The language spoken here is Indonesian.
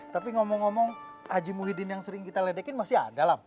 tapi ngomong ngomong aji muhyiddin yang sering kita ledekin masih ada lah